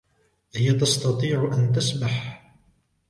هي تستطيع أن تسبح.